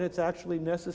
dan itu sebenarnya harus